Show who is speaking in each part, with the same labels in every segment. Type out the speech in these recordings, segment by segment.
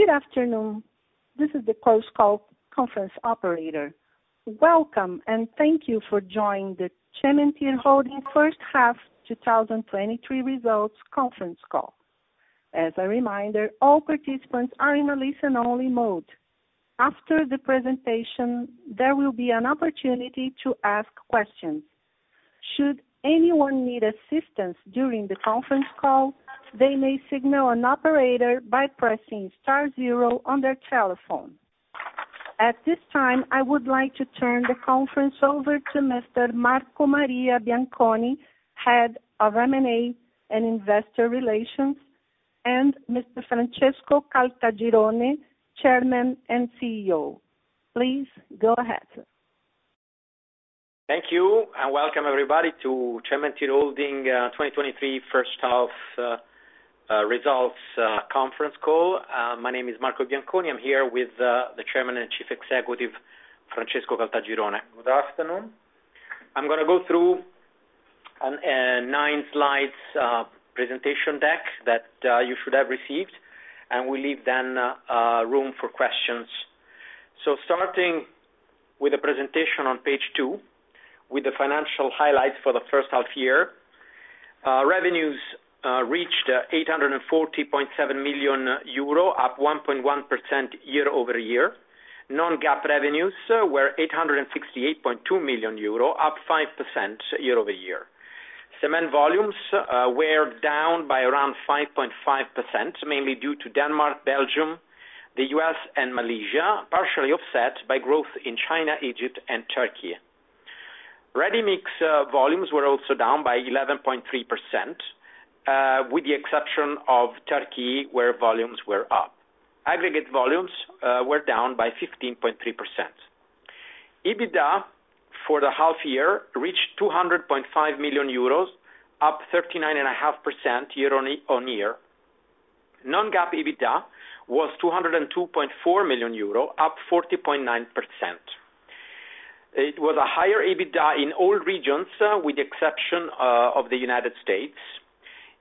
Speaker 1: Good afternoon, this is the Chorus Call conference operator. Welcome, and thank you for joining the Cementir Holding First Half 2023 Results Conference Call. As a reminder, all participants are in a listen only mode. After the presentation, there will be an opportunity to ask questions. Should anyone need assistance during the conference call, they may signal an operator by pressing star zero on their telephone. At this time, I would like to turn the conference over to Mr. Marco Maria Bianconi, Head of M&A and Investor Relations, and Mr. Francesco Caltagirone, Chairman and CEO. Please go ahead.
Speaker 2: Thank you. Welcome everybody to Cementir Holding 2023 First Half results conference call. My name is Marco Bianconi. I'm here with the Chairman and Chief Executive, Francesco Caltagirone.
Speaker 3: Good afternoon.
Speaker 2: I'm gonna go through nine slides presentation deck that you should have received, and we leave then room for questions. Starting with the presentation on page two, with the financial highlights for the first half year. Revenues reached 840.7 million euro, up 1.1% year-over-year. Non-GAAP revenues were 868.2 million euro, up 5% year-over-year. Cement volumes were down by around 5.5%, mainly due to Denmark, Belgium, the US and Malaysia, partially offset by growth in China, Egypt and Turkey. Ready-mix volumes were also down by 11.3%, with the exception of Turkey, where volumes were up. Aggregate volumes were down by 15.3%. EBITDA for the half year reached 200.5 million euros, up 39.5% year-on-year. Non-GAAP EBITDA was 202.4 million euro, up 40.9%. It was a higher EBITDA in all regions, with the exception of the United States.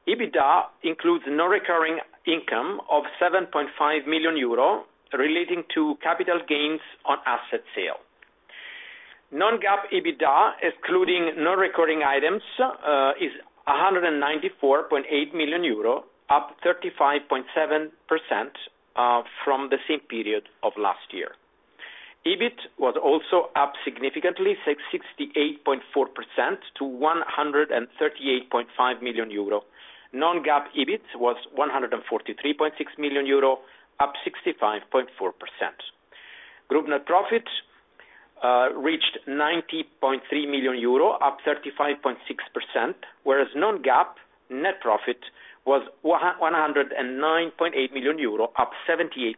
Speaker 2: EBITDA includes non-recurring income of 7.5 million euro relating to capital gains on asset sale. Non-GAAP EBITDA, excluding non-recurring items, is 194.8 million euro, up 35.7% from the same period of last year. EBIT was also up significantly, 68.4% to 138.5 million euro. Non-GAAP EBIT was 143.6 million euro, up 65.4%. Group net profit reached 90.3 million euro, up 35.6%, whereas non-GAAP net profit was 109.8 million euro, up 78.9%.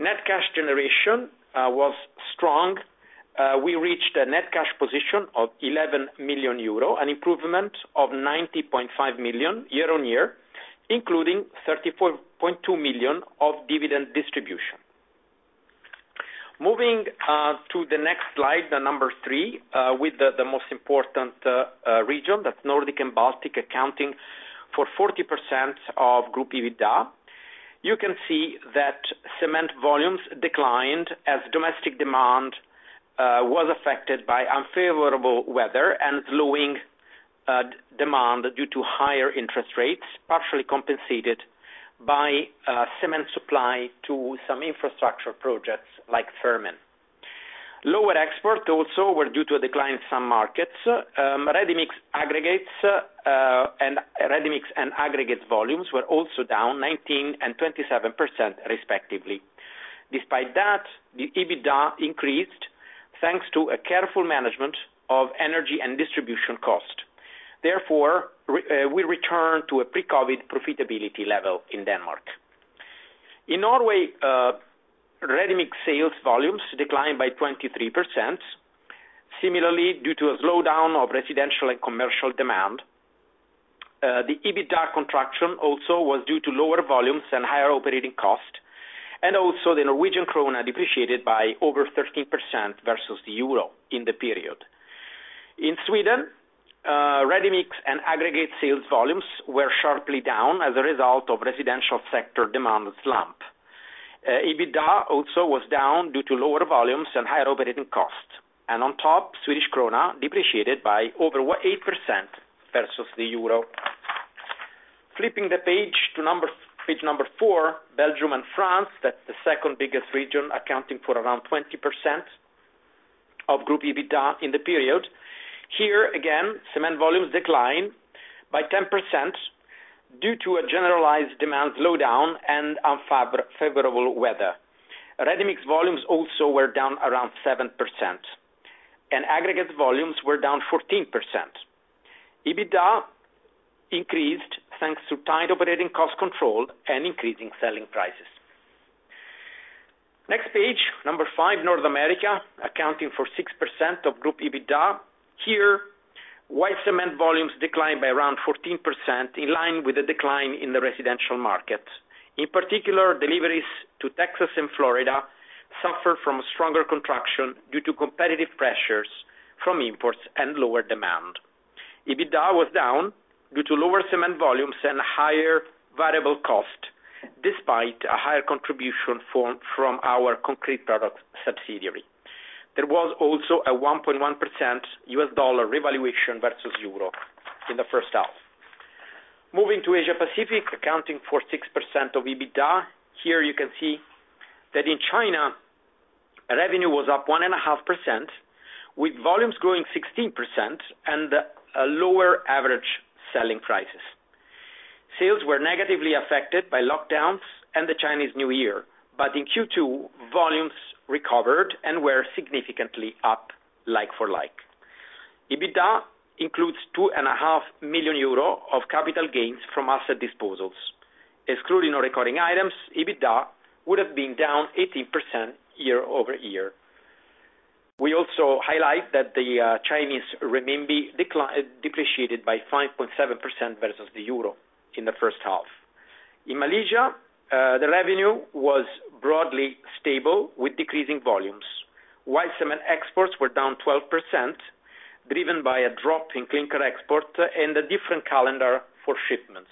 Speaker 2: Net cash generation was strong. We reached a net cash position of 11.0 million euro, an improvement of 90.5 million year-on-year, including 34.2 million of dividend distribution. Moving to the next slide, number three, with the most important region, that's Nordic and Baltic, accounting for 40% of group EBITDA. You can see that Cement volumes declined as domestic demand was affected by unfavorable weather and slowing demand due to higher interest rates, partially compensated by cement supply to some infrastructure projects like Femern. Lower export also were due to a decline in some markets. Ready-mix aggregates and ready-mix and aggregates volumes were also down 19% and 27%, respectively. Despite that, the EBITDA increased, thanks to a careful management of energy and distribution cost. We return to a pre-COVID profitability level in Denmark. In Norway, ready-mix sales volumes declined by 23%. Due to a slowdown of residential and commercial demand, the EBITDA contraction also was due to lower volumes and higher operating costs, and also the Norwegian krona depreciated by over 13% versus the euro in the period. In Sweden, ready-mix and aggregate sales volumes were sharply down as a result of residential sector demand slump. EBITDA also was down due to lower volumes and higher operating costs, and on top, Swedish krona depreciated by over 8% versus the euro. Flipping the page to page number four, Belgium and France, that's the second biggest region, accounting for around 20% of group EBITDA in the period. Here, again, cement volumes declined by 10% due to a generalized demand slowdown and favorable weather. Ready-mix volumes also were down around 7%, and aggregate volumes were down 14%. EBITDA increased thanks to tight operating cost control and increasing selling prices. Next page, number five, North America, accounting for 6% of group EBITDA. Here, white cement volumes declined by around 14%, in line with the decline in the residential market. In particular, deliveries to Texas and Florida suffered from stronger contraction due to competitive pressures from imports and lower demand. EBITDA was down due to lower cement volumes and higher variable cost, despite a higher contribution from our concrete product subsidiary. There was also a 1.1% US dollar revaluation versus euro in the first half. Moving to Asia Pacific, accounting for 6% of EBITDA. Here you can see that in China, revenue was up 1.5%, with volumes growing 16% and, a lower average selling prices. In second quarter, volumes recovered and were significantly up, like for like. EBITDA includes 2.5 million euro of capital gains from asset disposals. Excluding or recording items, EBITDA would have been down 18% year over year. We also highlight that the Chinese renminbi depreciated by 5.7% versus the euro in the first half. In Malaysia, the revenue was broadly stable, with decreasing volumes, while cement exports were down 12%, driven by a drop in clinker export and a different calendar for shipments.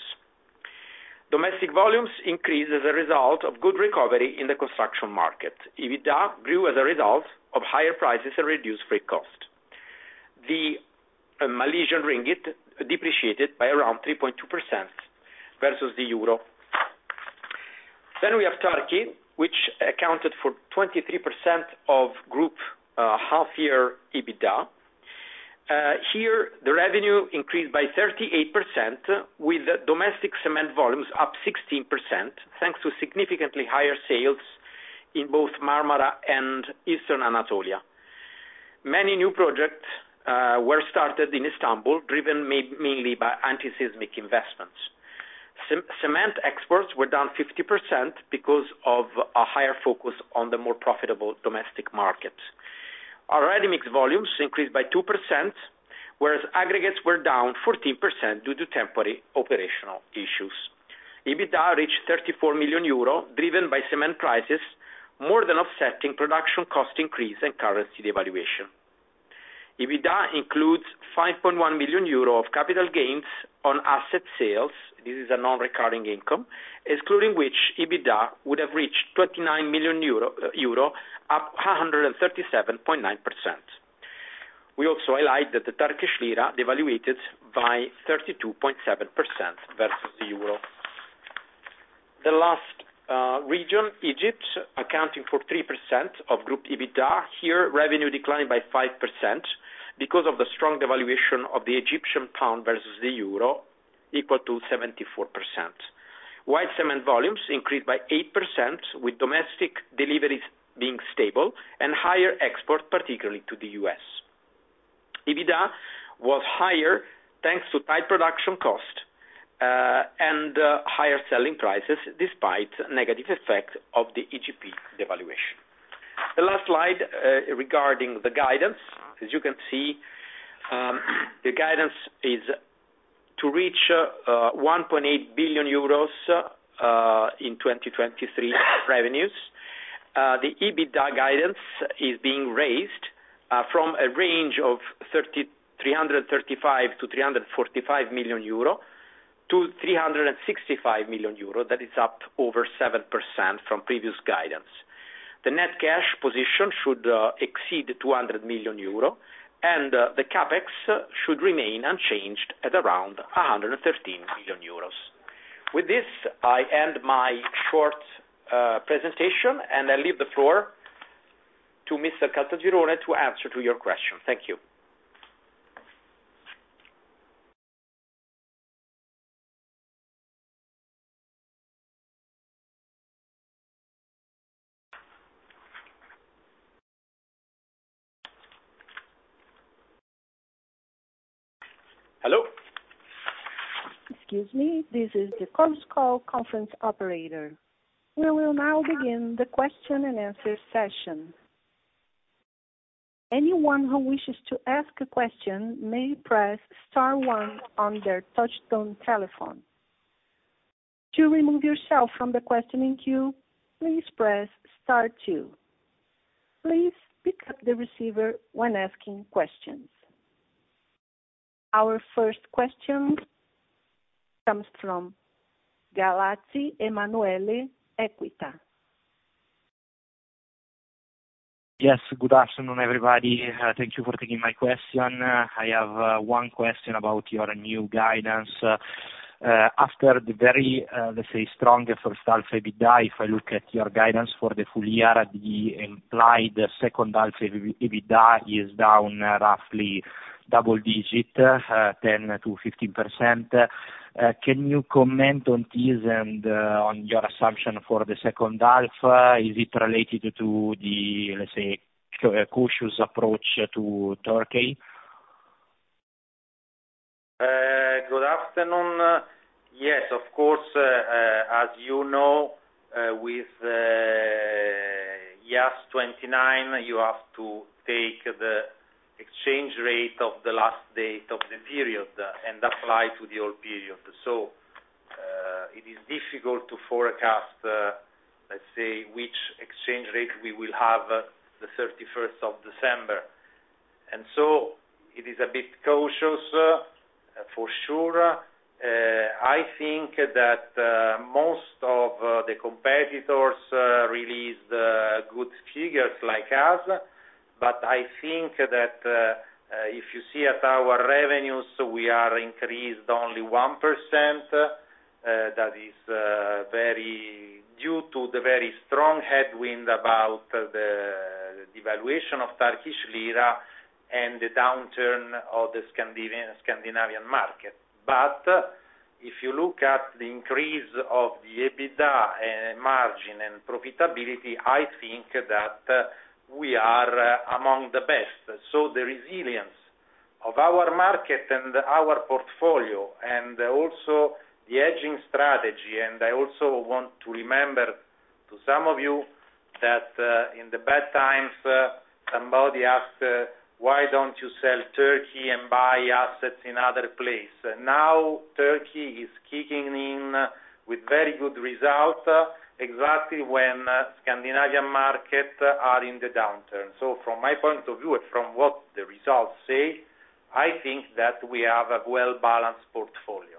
Speaker 2: Domestic volumes increased as a result of good recovery in the construction market. EBITDA grew as a result of higher prices and reduced free cost. The Malaysian ringgit depreciated by around 3.2% versus the euro. We have Turkey, which accounted for 23% of group half year EBITDA. Here, the revenue increased by 38%, with domestic cement volumes up 16%, thanks to significantly higher sales in both Marmara and Eastern Anatolia. Many new projects were started in Istanbul, driven mainly by anti-seismic investments. Cement exports were down 50% because of a higher focus on the more profitable domestic markets. Our Ready-mix volumes increased by 2%, whereas aggregates were down 14% due to temporary operational issues. EBITDA reached 34 million euro, driven by cement prices, more than offsetting production cost increase and currency devaluation. EBITDA includes 5.1 million euro of capital gains on asset sales. This is a non-recurring income, excluding which, EBITDA would have reached 29 million euro, up 137.9%. We also highlight that the Turkish lira devaluated by 32.7% versus the euro. The last region, Egypt, accounting for 3% of group EBITDA. Here, revenue declined by 5% because of the strong devaluation of the Egyptian pound versus the euro, equal to 74%. Cement volumes increased by 8%, with domestic deliveries being stable and higher export, particularly to the US. EBITDA was higher, thanks to tight production cost and higher selling prices, despite negative effect of the EGP devaluation. The last slide regarding the guidance. As you can see, the guidance is to reach 1.8 billion euros in 2023 revenues. The EBITDA guidance is being raised from a range of 335 to 345 million, to 365 million euro, that is up over 7% from previous guidance. The net cash position should exceed 200 million euro, and the CapEx should remain unchanged at around 113 million euros. With this, I end my short presentation, and I leave the floor to Mr. Caltagirone, to answer to your question. Thank you. Hello?
Speaker 1: Excuse me, this is the Chorus Call conference operator. We will now begin the question-and-answer session. Anyone who wishes to ask a question may press star one on their touchtone telephone. To remove yourself from the questioning queue, please press star two. Please pick up the receiver when asking questions. Our first question comes from Gallazzi Emanuele, Equita.
Speaker 4: Yes, good afternoon, everybody. Thank you for taking my question. I have one question about your new guidance. After the very, let's say, strong first half EBITDA, if I look at your guidance for the full year, the implied second half EBITDA is down roughly double digit, 10% to 15%. Can you comment on this and on your assumption for the second half? Is it related to the, let's say, cautious approach to Turkey?
Speaker 3: Good afternoon. Yes, of course, as you know, with IAS 29, you have to take the exchange rate of the last date of the period and apply to the old period. It is difficult to forecast, let's say, which exchange rate we will have the 31 December 2023. It is a bit cautious, for sure. I think that most of the competitors released good figures like us, but I think that if you see at our revenues, we are increased only 1%, that is due to the very strong headwind about the devaluation of Turkish lira and the downturn of the Scandinavian market. If you look at the increase of the EBITDA margin and profitability, I think that we are among the best. The resilience of our market and our portfolio and also the hedging strategy, and I also want to remember to some of you that, in the bad times, somebody asked, "Why don't you sell Turkey and buy assets in other place?" Now, Turkey is kicking in with very good results, exactly when Scandinavian market are in the downturn. From my point of view, and from what the results say, I think that we have a well-balanced portfolio.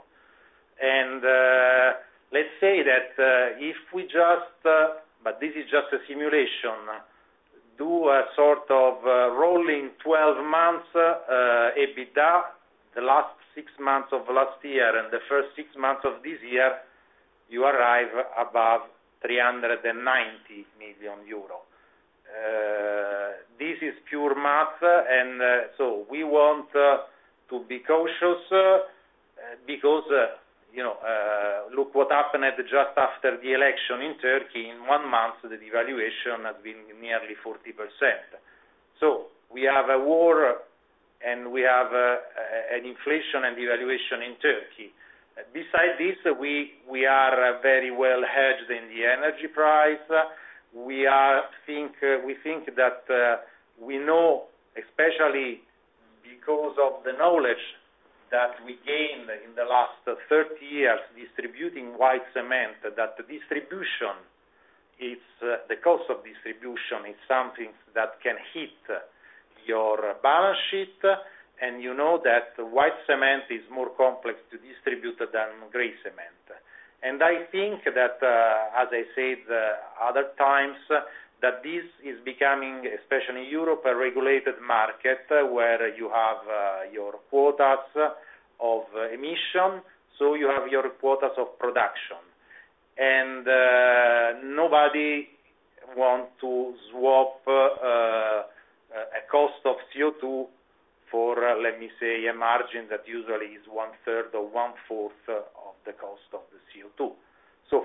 Speaker 3: Let's say that, if we just, but this is just a simulation, do a sort of, rolling 12 months EBITDA, the last six months of last year and the first six months of this year, you arrive above 390 million euro. This is pure math, we want to be cautious, because, you know, look what happened just after the election in Turkey. In one month, the devaluation has been nearly 40%. We have a war; we have an inflation and devaluation in Turkey. Besides this, we are very well hedged in the energy price. We think that we know, especially because of the knowledge that we gained in the last 30 years, distributing white cement, that the distribution is the cost of distribution is something that can hit your balance sheet, and you know that white cement is more complex to distribute than gray cement. I think that, as I said, other times, that this is becoming, especially in Europe, a regulated market, where you have, your quotas of emission, so you have your quotas of production. Nobody want to swap, a cost of CO2 for, let me say, a margin that usually is one third or one fourth of the cost of the CO2.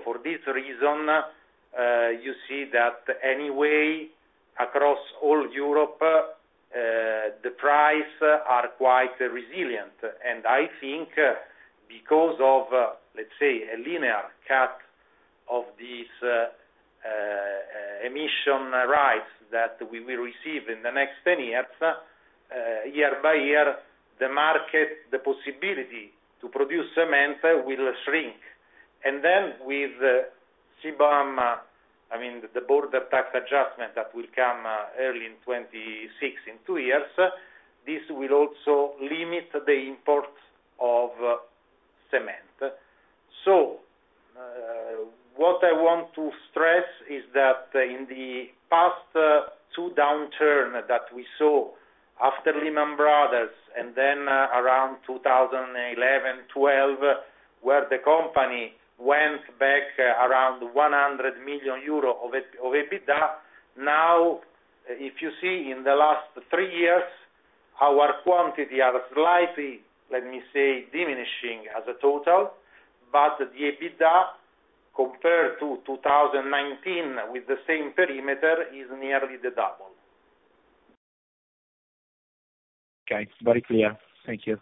Speaker 3: For this reason, you see that anyway, across all Europe, the price are quite resilient. I think, because of, let me say, a linear cut of this, emission rights that we will receive in the next 10 years, year by year, the market, the possibility to produce cement will shrink. With CBAM, I mean, the border tax adjustment that will come early in 2026, in two years, this will also limit the imports of cement. What I want to stress is that in the past, two downturn that we saw after Lehman Brothers and then around 2011, 2012, where the company went back around 100 million euro of EBITDA. If you see in the last three years, our quantity are slightly, let me say, diminishing as a total, but the EBITDA, compared to 2019, with the same perimeter, is nearly the double.
Speaker 4: Okay, very clear. Thank you.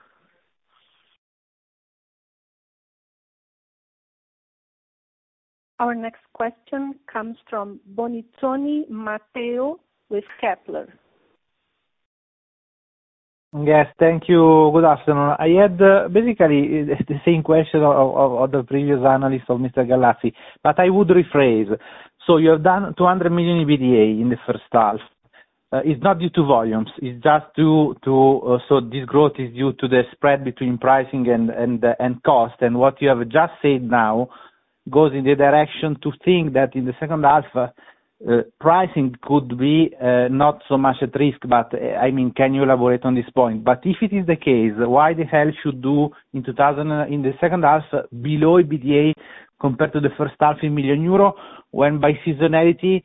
Speaker 1: Our next question comes from Bonizzoni Matteo, with Kepler.
Speaker 5: Yes, thank you. Good afternoon. I had, basically, the same question of the previous analyst of Mr. Gallazzi, but I would rephrase. You have done 200 million EBITDA in the first half. It's not due to volumes, it's just due to, so this growth is due to the spread between pricing and cost. What you have just said now goes in the direction to think that in the second half, pricing could be, not so much at risk, but, I mean, can you elaborate on this point? If it is the case, why the hell should do in the second half, below EBITDA, compared to the first half in million euro, when by seasonality,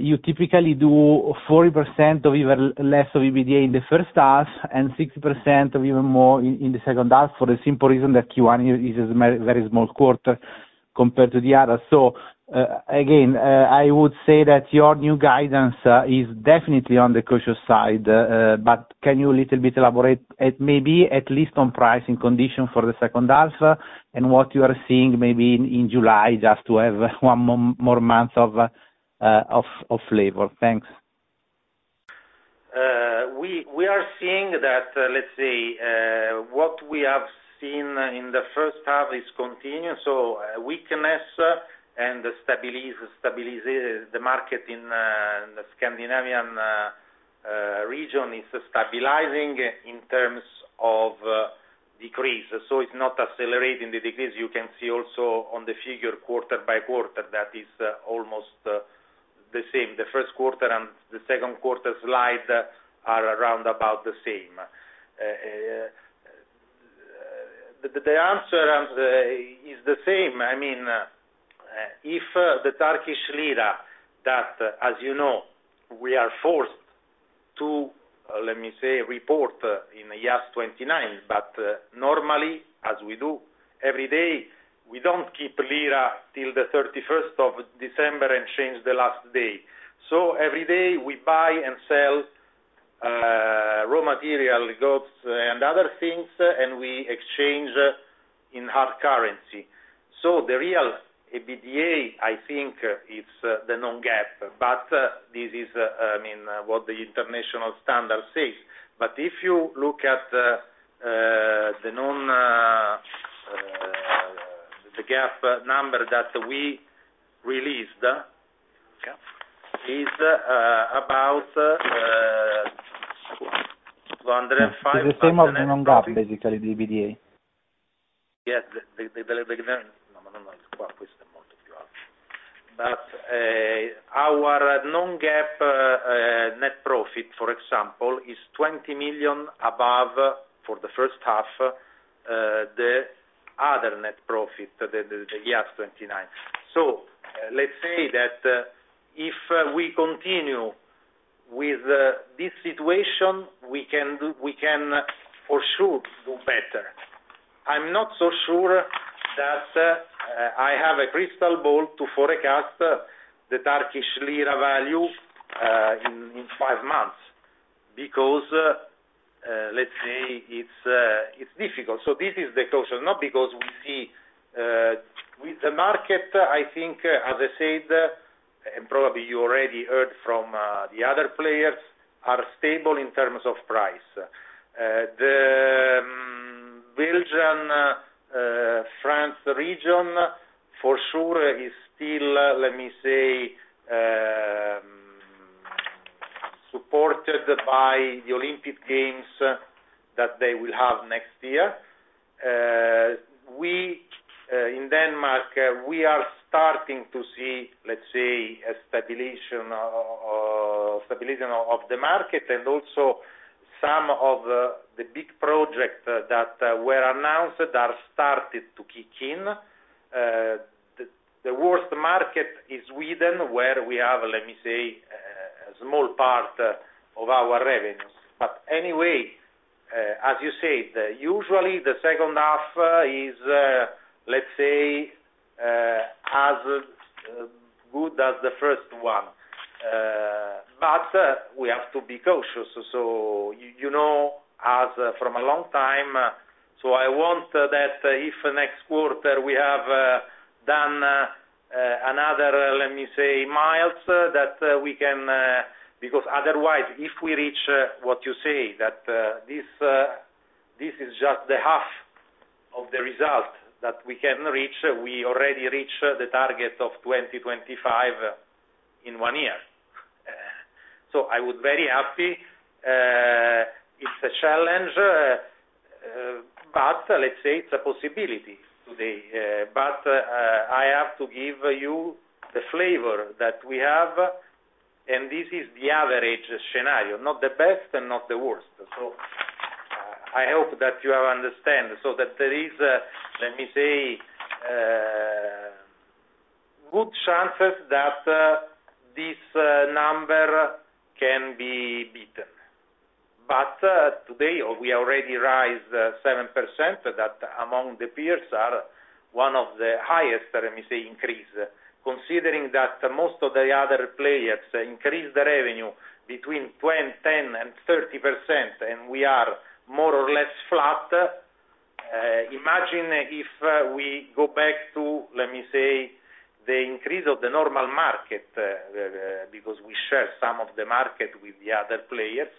Speaker 5: you typically do 40% or even less of EBITDA in the first half and 60% or even more in the second half, for the simple reason that first quarter is a very, very small quarter compared to the other? Again, I would say that your new guidance is definitely on the cautious side, but can you a little bit elaborate, at least on pricing condition for the second half, and what you are seeing in July, just to have one more month of flavor? Thanks.
Speaker 3: We are seeing that, let's say, what we have seen in the first half is continuing. weakness and the market in the Scandinavian region is stabilizing in terms of decrease. It's not accelerating the decrease. You can see also on the figure quarter by quarter, that is almost the same. The first quarter and the second quarter slide are around about the same. The answer is the same. I mean, if the Turkish lira that, as you know, we are forced to, let me say, report in IAS 29, but normally, as we do every day, we don't keep lira till the 31 December 2023 and change the last day. Every day, we buy and sell raw material, goods, and other things, and we exchange in hard currency. The real EBITDA, I think, is the non-GAAP, but this is, I mean, what the international standard says. If you look at the non-GAAP number that we released, yeah, is about EUR 205 million...
Speaker 4: Some of non-GAAP, basically, the EBITDA?
Speaker 3: Yes, but our non-GAAP net profit, for example, is 20 million above, for the first half, the other net profit, the IAS 29. Let's say that, if we continue with this situation, we can for sure do better. I'm not so sure that I have a crystal ball to forecast the Turkish lira value in five months, because let's say it's difficult. This is the caution, not because we see. With the market, I think, as I said, and probably you already heard from the other players, are stable in terms of price. The Belgian France region, for sure, is still, let me say, supported by the Olympic Games that they will have next year. We, in Denmark, we are starting to see, let's say, a stabilization of the market, and also some of, the big project, that, were announced are started to kick in. The worst market is Sweden, where we have, let me say, a small part of our revenues. Anyway, as you said, usually, the second half, is, let's say, as, good as the first one. We have to be cautious. You know, as from a long time, I want that if next quarter we have, done, another, let me say, miles, that, we can... Because otherwise, if we reach, what you say, that, this, this is just the half of the result that we can reach, we already reached the target of 2025 in one year. I was very happy. It's a challenge, but let's say it's a possibility today. I have to give you the flavor that we have, and this is the average scenario, not the best and not the worst. I hope that you have understand, that there is, let me say, good chances that, this, number can be beaten. Today, we already rise, 7%, that among the peers are one of the highest, let me say, increase. Considering that most of the other players increase the revenue between 20%, 10%, and 30%, and we are more or less flat, imagine if we go back to, let me say, the increase of the normal market, because we share some of the market with the other players,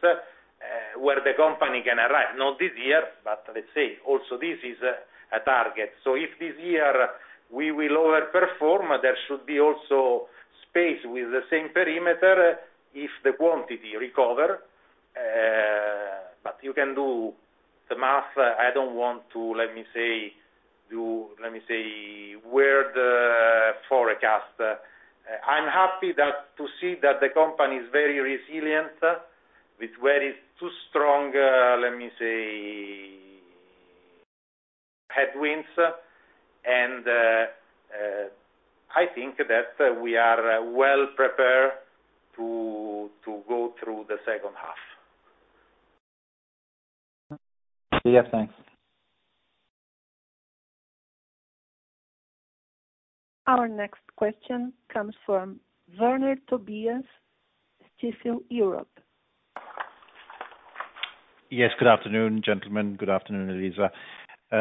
Speaker 3: where the company can arrive, not this year, but let me say, also this is a, a target. If this year we will overperform, there should be also space with the same perimeter, if the quantity recover. You can do the math. I don't want to, let me say, do, let me say, weird forecast. I'm happy to see that the company is very resilient, with very two strong, let me say, headwinds, and I think that we are well prepared to go through the second half.
Speaker 4: Yeah, thanks.
Speaker 1: Our next question comes from Werner Tobias, Stifel Europe.
Speaker 6: Yes, good afternoon, gentlemen. Good afternoon, Elisa.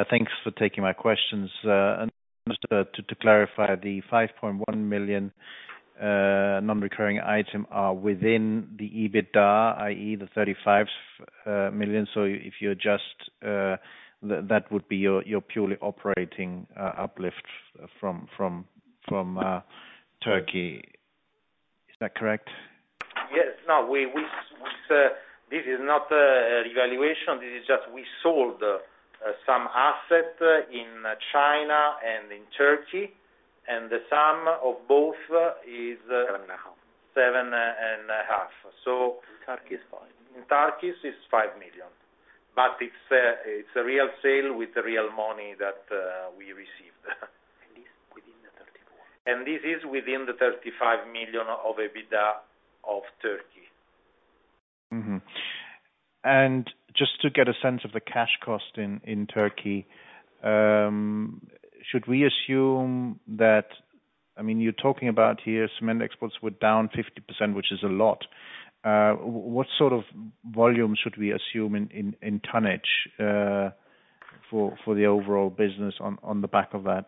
Speaker 6: Thanks for taking my questions. Just to clarify, the 5.1 million non-recurring item are within the EBITDA, i.e., the 35 million. If you adjust, that would be your purely operating uplift from Turkey. Is that correct?
Speaker 3: Yes. No, we, this is not a devaluation. This is just we sold some asset in China and in Turkey, and the sum of both 7.5. Turkey is 5 million. In Turkey, it's 5 million, but it's a real sale with real money that we received. This is within the 35 million of EBITDA of Turkey.
Speaker 6: Just to get a sense of the cash cost in Turkey, should we assume that, I mean, you're talking about here, cement exports were down 50%, which is a lot, what sort of volume should we assume in tonnage for the overall business on the back of that?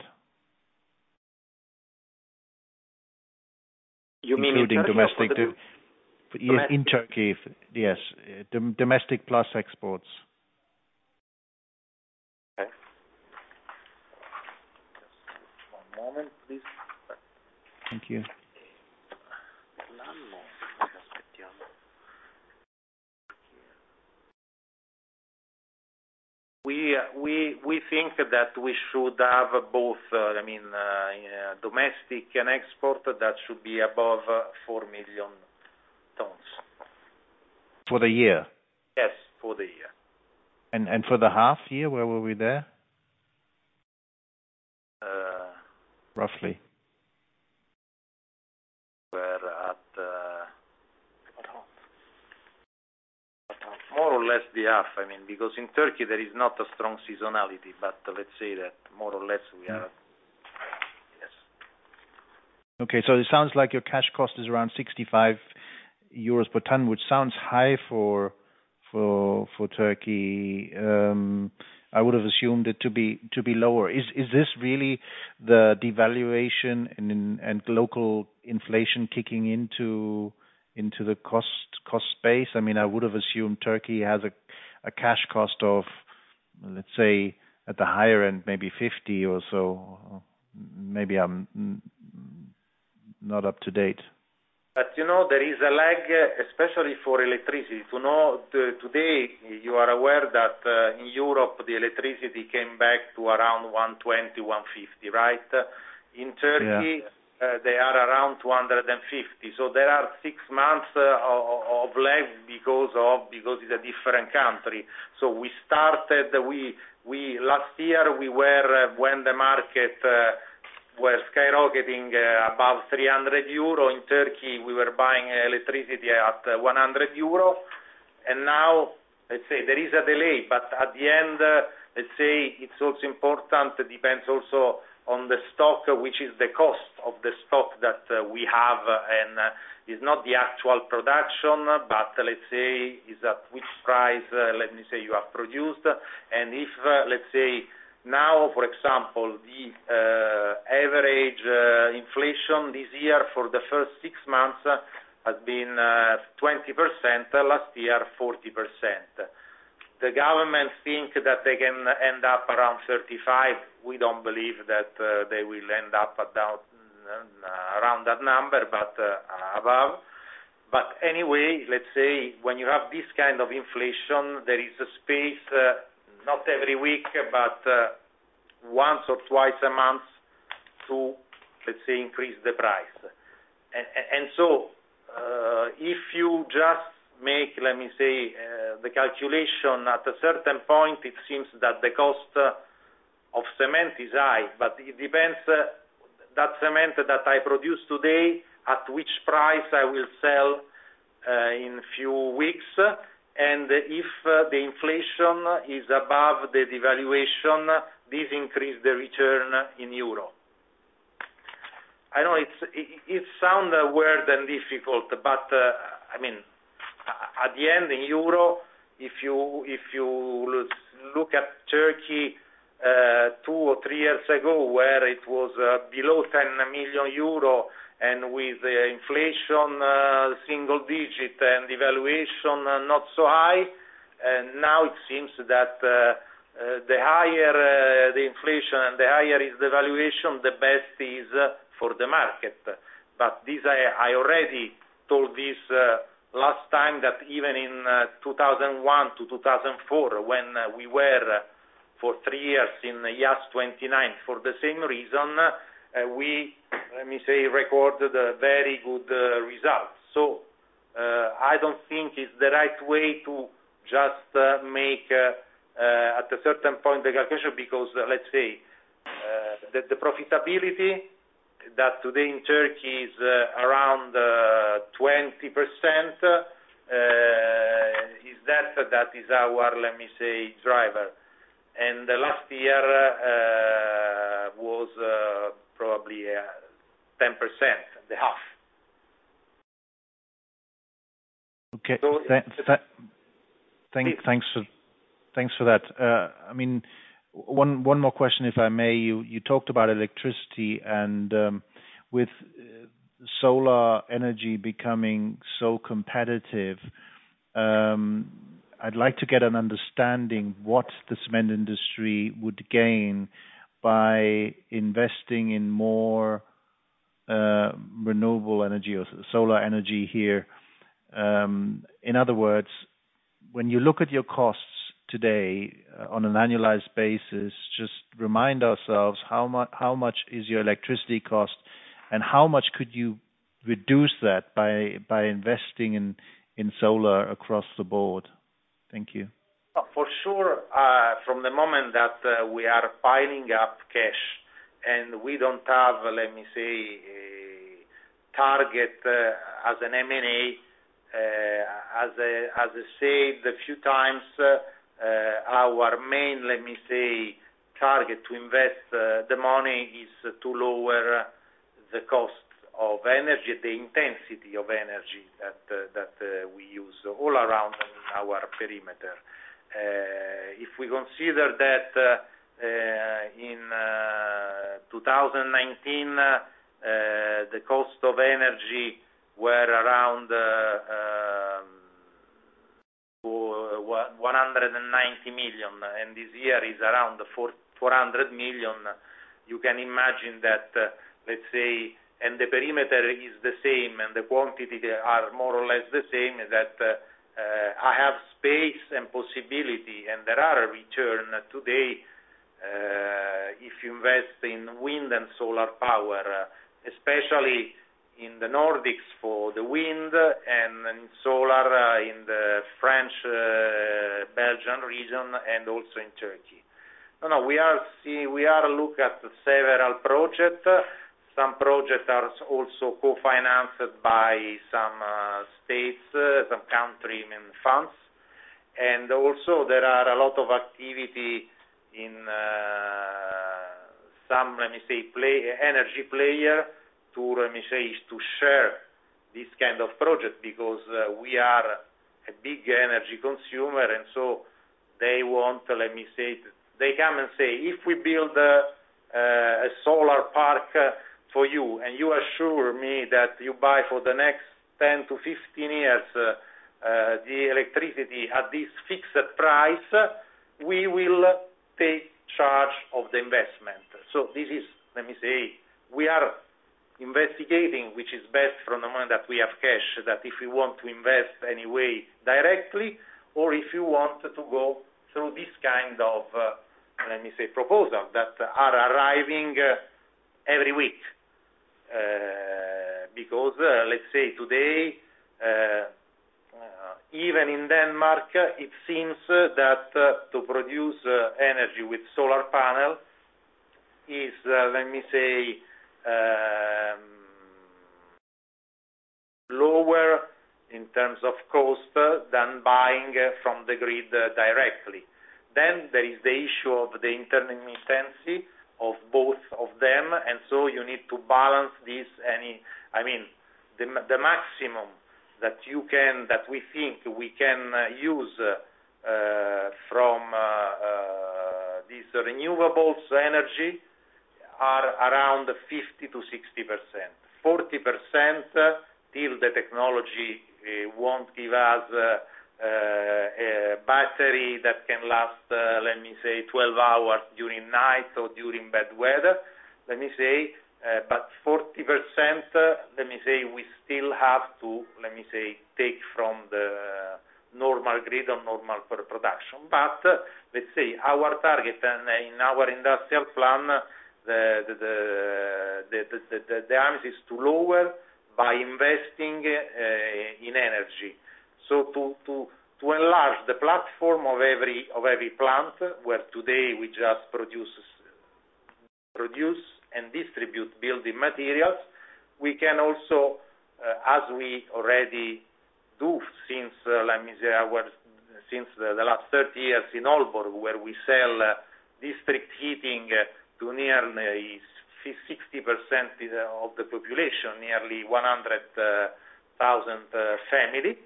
Speaker 3: You mean in Turkey...?
Speaker 6: Including domestic to...
Speaker 3: [inaudible]
Speaker 6: In Turkey. Yes, domestic plus exports.
Speaker 3: Okay... [inaudible] Just one moment, please.
Speaker 6: Thank you.
Speaker 3: We think that we should have both, I mean, domestic and export. That should be above 4 million tons.
Speaker 6: For the year?
Speaker 3: Yes, for the year.
Speaker 6: For the half year, where were we there?
Speaker 3: Uh.
Speaker 6: Roughly.
Speaker 3: We're at, more or less the half, I mean, because in Turkey, there is not a strong seasonality, but let's say that more or less we are.
Speaker 6: Mm.
Speaker 3: Yes.
Speaker 6: Okay, it sounds like your cash cost is around 65 euros per ton, which sounds high for Turkey. I would have assumed it to be lower. Is this really the devaluation and local inflation kicking into the cost space? I mean, I would have assumed Turkey has a cash cost of, let's say, at the higher end, maybe 50 or so. Maybe I'm not up to date.
Speaker 3: you know, there is a lag, especially for electricity. To know, today, you are aware that, in Europe, the electricity came back to around 120, 150, right?
Speaker 6: Yeah.
Speaker 3: In Turkey, they are around 250. There are six months of lag because it's a different country. We started, we last year, we were, when the market was skyrocketing, above 300 euro. In Turkey, we were buying electricity at 100 euro, and now, let's say there is a delay, but at the end, let's say it's also important, it depends also on the stock, which is the cost of the stock that we have, and is not the actual production, but let's say, is at which price, let me say, you have produced. If, let's say, now, for example, the average inflation this year for the first six months has been 20%, last year, 40%. The government think that they can end up around 35. We don't believe that they will end up at around that number, but above. Anyway, let's say when you have this kind of inflation, there is a space, not every week, but once or twice a month to, let's say, increase the price. If you just make, let me say, the calculation at a certain point, it seems that the cost of cement is high, but it depends, that cement that I produce today, at which price I will sell in few weeks, and if the inflation is above the devaluation, this increase the return in euro. I know it's, it sound weird and difficult, I mean, at the end, in euro, if you, if you look at Turkey, two or three years ago, where it was below 10 million euro and with the inflation single digit and devaluation not so high, and now it seems that the higher the inflation and the higher is the valuation, the best is for the market. This I already told this last time, that even in 2001 to 2004, when we were for three years in the IAS 29, for the same reason, we, let me say, recorded a very good result. I don't think it's the right way to just make at a certain point, the calculation, because the profitability that today in Turkey is around 20%, is our driver. The last year, 10%, the half.
Speaker 6: Okay. Thanks for that. I mean, one more question, if I may. You talked about electricity and, with solar energy becoming so competitive, I'd like to get an understanding what the cement industry would gain by investing in more renewable energy or solar energy here. In other words, when you look at your costs today on an annualized basis, just remind ourselves, how much is your electricity cost, and how much could you reduce that by investing in solar across the board? Thank you.
Speaker 3: For sure, from the moment that we are piling up cash, and we don't have, let me say, a target, as an M&A, as I said a few times, our main, let me say, target to invest the money is to lower the cost of energy, the intensity of energy that we use all around in our perimeter. If we consider that in 2019 the cost of energy were around 190 million, this year is around 400 million, you can imagine that the perimeter is the same, the quantity, they are more or less the same, that I have space and possibility. There are a return today if you invest in wind and solar power, especially in the Nordics for the wind and in solar in the French, Belgian region and also in Turkey. We are look at several project. Some projects are also co-financed by some states, some country and funds. Also, there are a lot of activity in some, let me say, play, energy player, to let me say, is to share this kind of project because we are a big energy consumer, and so they want. They come and say, "If we build a solar park for you, and you assure me that you buy for the next 10 to 15 years, the electricity at this fixed price, we will take charge of the investment." This is, let me say, we are investigating which is best from the moment that we have cash, that if we want to invest anyway directly or if you want to go through this kind of, let me say, proposal that are arriving every week. Because let's say today, even in Denmark, it seems that to produce energy with solar panel is, let me say, lower in terms of cost than buying from the grid directly. There is the issue of the intermittency of both of them. You need to balance this. The maximum that you can, that we think we can use from these renewables' energy are around 50% to 60%. 40%, till the technology won't give us a battery that can last, let me say, 12 hours during night or during bad weather. Let me say, 40%, let me say we still have to let me say, take from the normal grid or normal production. Let's say our target and in our industrial plan, the aim is to lower by investing in energy. To enlarge the platform of every plant, where today we just produce and distribute building materials, we can also, as we already do since let me say since the last 30 years in Aalborg, where we sell district heating to nearly 60% of the population, nearly 100,000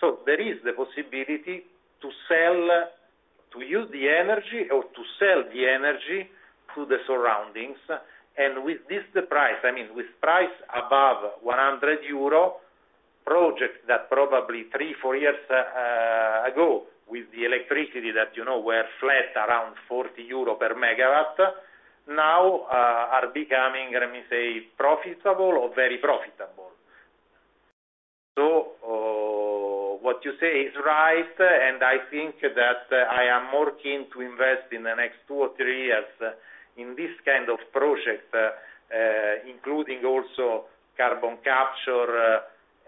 Speaker 3: family. There is the possibility to sell, to use the energy or to sell the energy to the surroundings. With this, the price, I mean, with price above 100 euro, projects that probably three, four years ago, with the electricity that, you know, were flat around 40 euro per megawatt, now are becoming, let me say, profitable or very profitable. What you say is right, and I think that I am more keen to invest in the next two or three years in this kind of project, including also carbon capture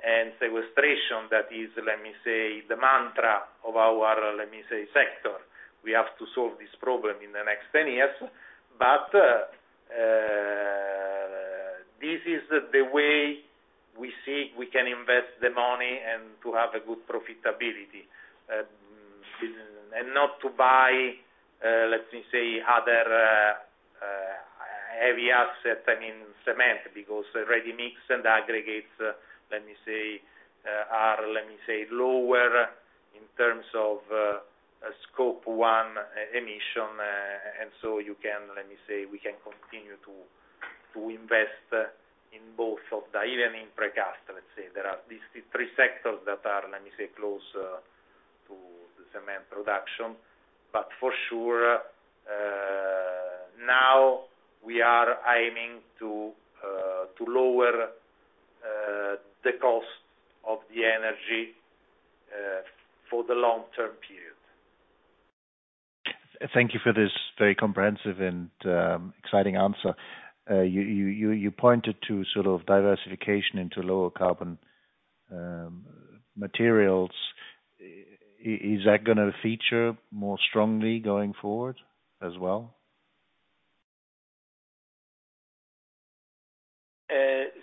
Speaker 3: and sequestration. That is, let me say, the mantra of our, let me say, sector. We have to solve this problem in the next 10 years. This is the way we see we can invest the money and to have a good profitability. Not to buy, let me say, other, heavy asset, I mean, cement, because Ready-mix and aggregates, let me say, are, let me say, lower in terms of, scope one e-emission. You can, let me say, we can continue to invest, in both of the, even in precast, let's say. There are these three sectors that are, let me say, close, to the cement production. For sure, now we are aiming to lower, the cost of the energy, for the long-term period.
Speaker 6: Thank you for this very comprehensive and exciting answer. You pointed to sort of diversification into lower carbon materials. Is that gonna feature more strongly going forward as well?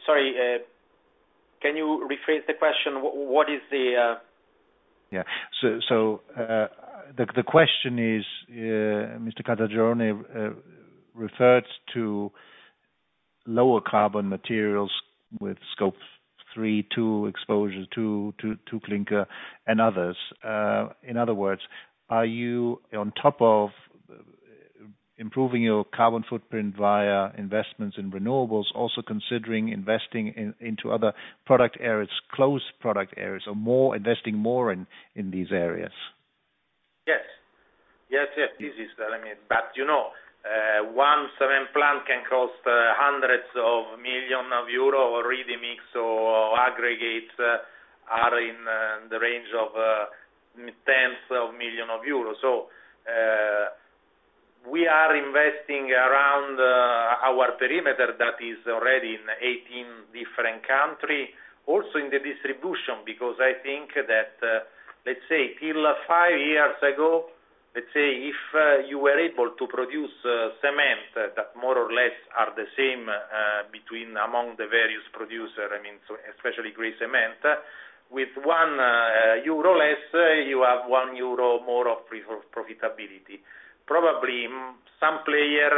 Speaker 3: Sorry, can you rephrase the question? What is the...
Speaker 6: The question is, Mr. Caltagirone referred to lower carbon materials with scope three, two, exposure to clinker and others. In other words, are you, on top of improving your carbon footprint via investments in renewables, also considering investing into other product areas, close product areas, investing more in these areas?
Speaker 3: Yes. Yes, yes, this is, I mean, you know, one cement plant can cost hundreds of million of EUR, or Ready-mix or aggregates are in the range of tens of million of euros. We are investing around our perimeter that is already in 18 different country. In the distribution, because I think that, let's say till five years ago, let's say, if you were able to produce cement that more or less are the same between among the various producer, I mean, so especially gray cement, with 1 million euro less, you have 1 million euro more of profitability. Probably some player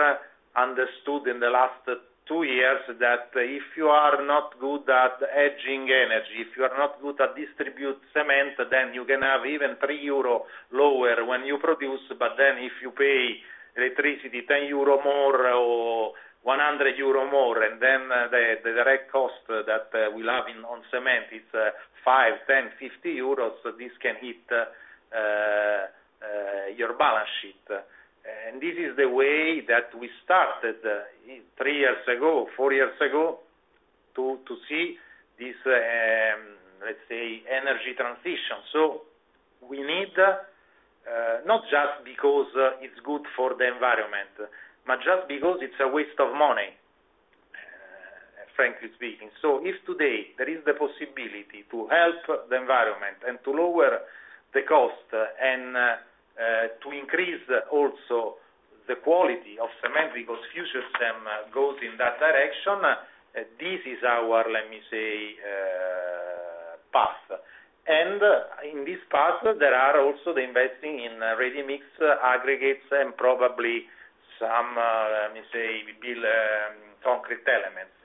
Speaker 3: understood in the last two years, that if you are not good at hedging energy, if you are not good at distribute cement, then you can have even 3 million euro lower when you produce. If you pay electricity 10 euro more or 100 euro more, the direct cost that we'll have on cement is 5, 10, 50 euros, this can hit your balance sheet. This is the way that we started three years ago, four years ago, to see this, let's say, energy transition. We need not just because it's good for the environment, but just because it's a waste of money, frankly speaking. If today there is the possibility to help the environment and to lower the cost, and to increase also the quality of cement, because future cement goes in that direction, this is our, let me say, path. In this path, there are also the investing in ready-mix aggregates and probably some, let me say, build, concrete elements.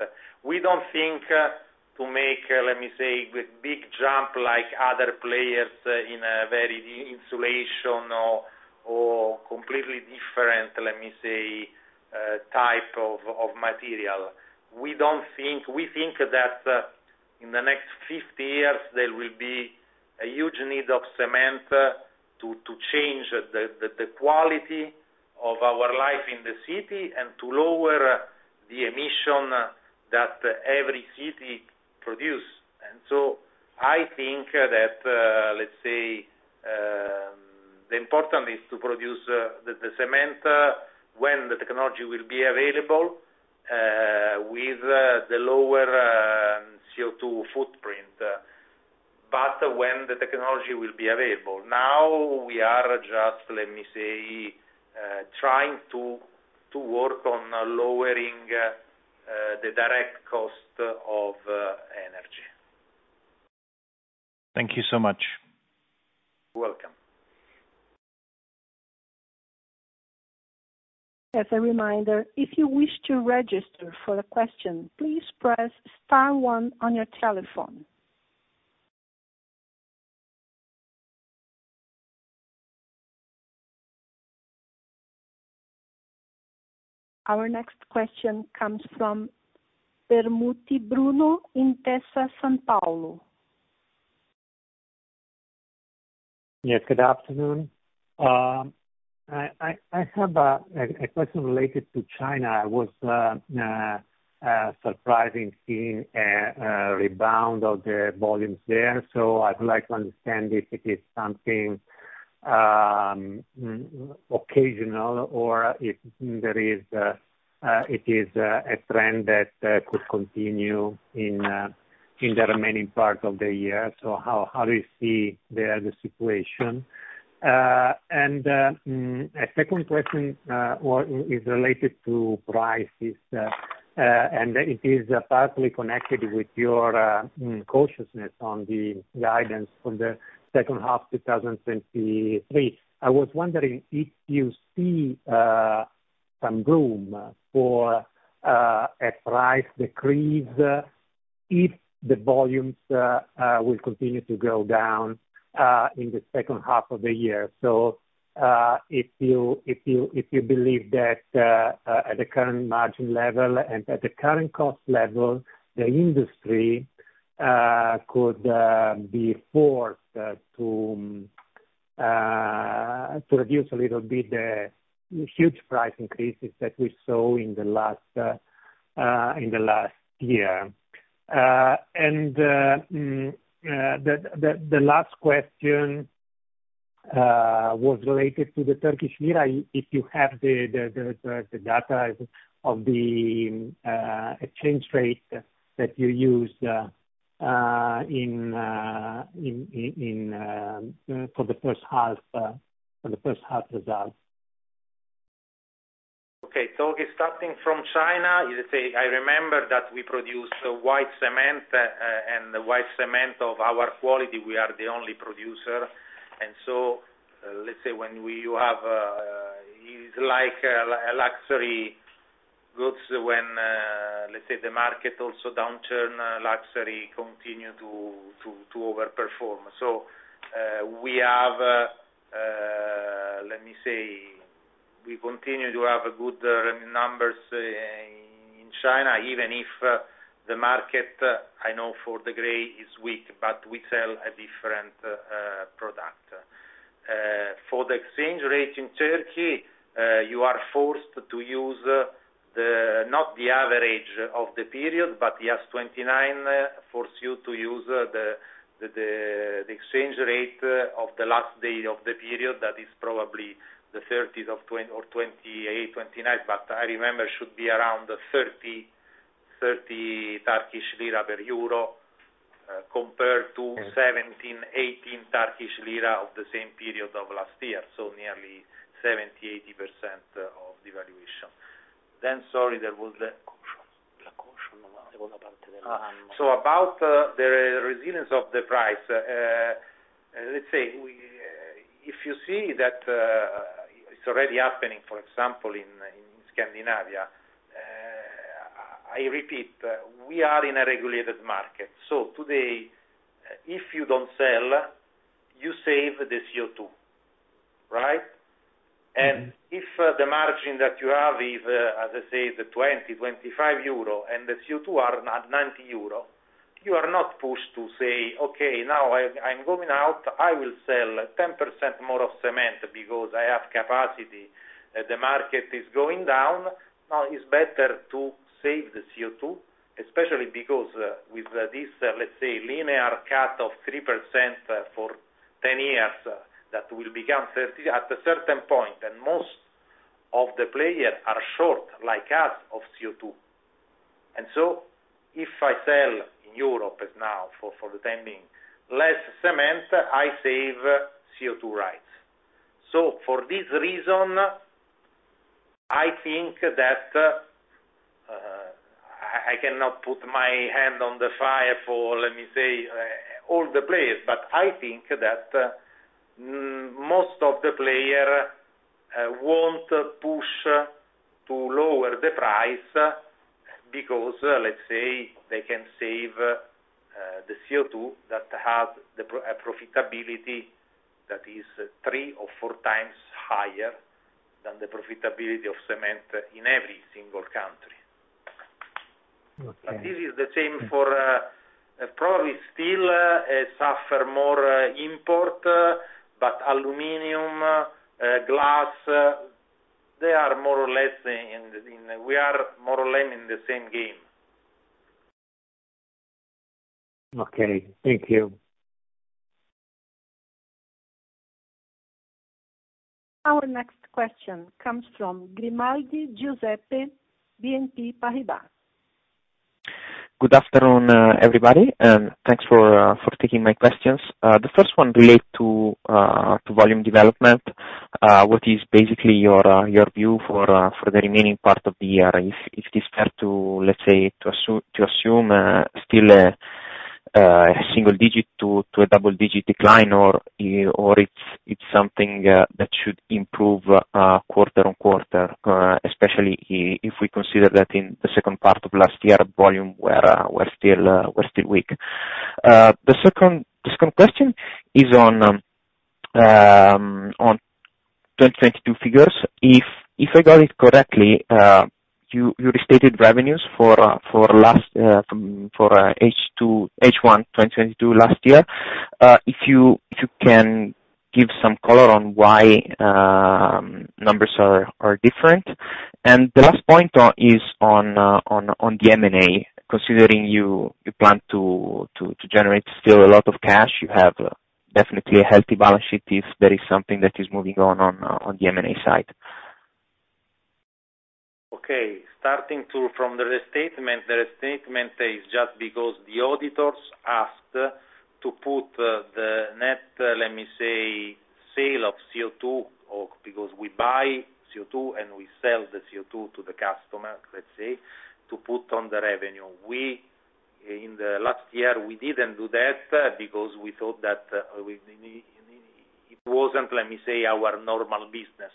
Speaker 3: We don't think, to make, let me say, big jump like other players in a very insulation or completely different, let me say, type of, material. We think that, in the next 50 years, there will be a huge need of cement, to change the quality of our life in the city and to lower the emission that every city produce. I think that let's say, the important is to produce the cement, when the technology will be available, with the lower CO2 footprint, but when the technology will be available. We are just, let me say, trying to work on lowering the direct cost of energy.
Speaker 6: Thank you so much.
Speaker 3: You're welcome.
Speaker 1: As a reminder, if you wish to register for a question, please press star one on your telephone. Our next question comes from Permuti Bruno, Intesa Sanpaolo.
Speaker 7: Yes, good afternoon. I have a question related to China. I was surprised in seeing a rebound of the volumes there. I'd like to understand if it is something occasional or if there is a trend that could continue in the remaining part of the year. How do you see the other situation? A second question or is related to prices and it is partly connected with your cautiousness on the guidance for the second half of 2023. I was wondering if you see some room for a price decrease if the volumes will continue to go down in the second half of the year. If you believe that at the current margin level and at the current cost level, the industry could be forced to reduce a little bit the huge price increases that we saw in the last year. The last question was related to the Turkish lira. If you have the data of the exchange rate that you used in for the first half, for the first half results.
Speaker 3: Okay. Starting from China, let's say, I remember that we produced white cement, and the white cement of our quality, we are the only producer. Let's say when you have, is like a luxury goods when, let's say the market also downturn, luxury continue to overperform. We have, let me say, we continue to have good numbers in China, even if the market, I know for the gray is weak, but we sell a different product. For the exchange rate in Turkey, you are forced to use Not the average of the period, but yes, TL 29 force you to use the exchange rate of the last day of the period. That is probably the TL 30s or TL 28, TL 29, but I remember should be around TL 30 per euro.
Speaker 7: Mm-hmm.
Speaker 3: TL 17, TL 18 of the same period of last year, nearly 70%, 80% of the valuation. About [inaudible] the re-resilience of the price, let's say, we, if you see that, it's already happening, for example, in Scandinavia, I repeat, we are in a regulated market. Today, if you don't sell, you save the CO2, right?
Speaker 7: Mm-hmm.
Speaker 3: If the margin that you have is, as I say, 20 to 25 million, and the CO2 are at 90 million euro, you are not pushed to say, "Okay, now I'm going out. I will sell 10% more of cement because I have capacity." The market is going down. Now, it's better to save the CO2, especially because with this, let's say, linear cut of 3% for 10 years, that will become 30 million at a certain point, and most of the players are short, like us, of CO2. If I sell in Europe now, for the time being, less cement, I save CO2 rights. For this reason, I think that, I cannot put my hand on the fire for, let me say, all the players, but I think that, most of the player, won't push to lower the price, because, let's say, they can save the CO2, that have a profitability that is three or four times higher than the profitability of cement in every single country.
Speaker 7: Okay.
Speaker 3: This is the same for probably still suffer more import, but aluminum, glass, they are more or less in the same game.
Speaker 7: Okay, thank you.
Speaker 1: Our next question comes from Grimaldi Giuseppe, BNP Paribas.
Speaker 8: Good afternoon, everybody, and thanks for taking my questions. The first one relate to volume development. What is basically your view for the remaining part of the year? If it's fair to, let's say, to assume, still, single digit to a double-digit decline, or it's something that should improve quarter on quarter, especially if we consider that in the second part of last year, volume were still weak. The second question is on 2022 figures. If I got it correctly, you restated revenues for last, from, for second half, first half 2022 last year. If you can give some color on why numbers are different? The last point is on the M&A, considering you plan to generate still a lot of cash, you have definitely a healthy balance sheet if there is something that is moving on the M&A side?
Speaker 3: Okay, starting from the restatement. The restatement is just because the auditors asked to put, the net, let me say, sale of CO2, or because we buy CO2, and we sell the CO2 to the customer, let me say, to put on the revenue. We, in the last year, we didn't do that, because we thought that, it wasn't, let me say, our normal business.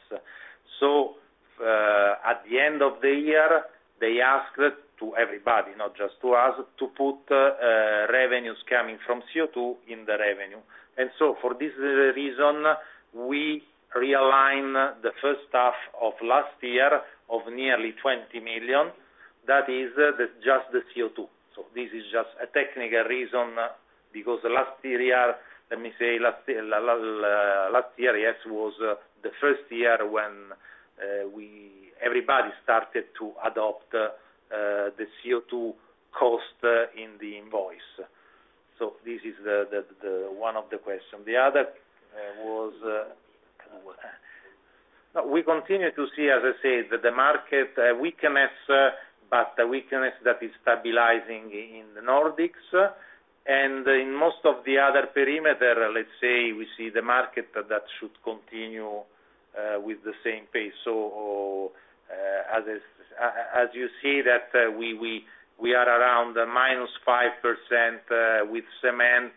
Speaker 3: At the end of the year, they asked to everybody, not just to us, to put, revenues coming from CO2 in the revenue. For this reason, we realigned the first half of last year of nearly 20 million. That is, just the CO2. This is just a technical reason, because the last year was the first year when everybody started to adopt the CO2 cost in the invoice. This is the one of the question. The other was we continue to see, as I said, that the market weakness, but a weakness that is stabilizing in the Nordics, and in most of the other perimeter, let's say, we see the market that should continue with the same pace. As you see that we are around the -5% with cement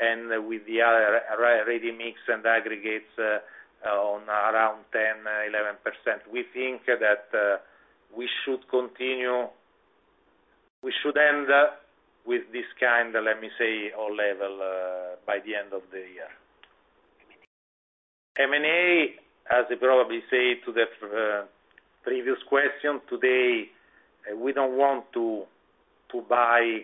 Speaker 3: and with the other Ready-mix and aggregates on around 10%, 11%. We think that we should continue. We should end up with this kind, let me say, or level by the end of the year. M&A, as I probably say to the previous question, today, we don't want to buy,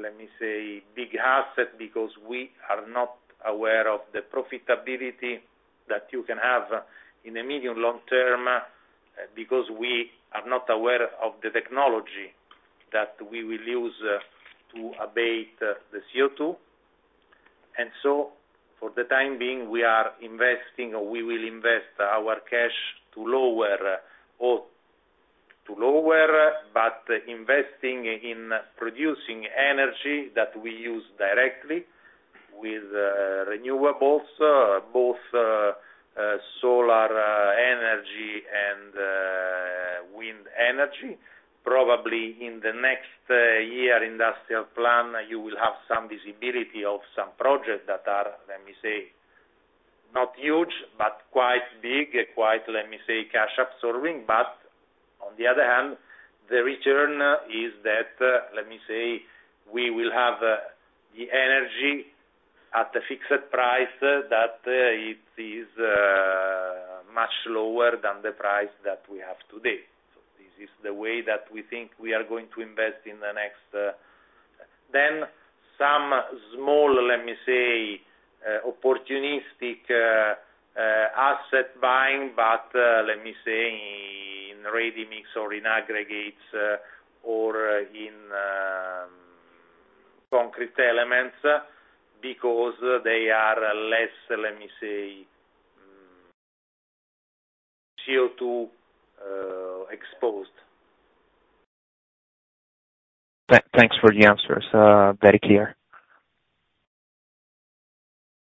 Speaker 3: let me say, big asset, because we are not aware of the profitability that you can have in the medium long term, because we are not aware of the technology that we will use to abate the CO2. For the time being, we are investing, or we will invest our cash to lower, but investing in producing energy that we use directly with renewables, both solar energy and wind energy. Probably in the next year industrial plan, you will have some visibility of some projects that are, let me say, not huge, but quite big, quite, let me say, cash absorbing. On the other hand, the return is that, let me say, we will have the energy at a fixed price that it is much lower than the price that we have today. This is the way that we think we are going to invest in the next... Some small, let me say, opportunistic asset buying, but, let me say, in Ready-mix or in aggregates, or in concrete elements, because they are less, let me say, CO2 exposed.
Speaker 8: Thanks for the answers, very clear.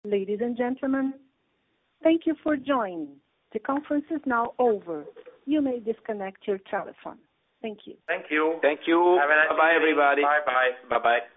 Speaker 1: Ladies and gentlemen, thank you for joining. The conference is now over. You may disconnect your telephone. Thank you.
Speaker 3: Thank you.
Speaker 2: Thank you.
Speaker 3: Have a nice day. Bye-bye, everybody. Bye-bye. Bye-bye.